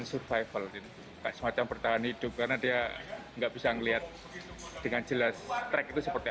survival semacam bertahan hidup karena dia enggak bisa melihat dengan jelas track itu seperti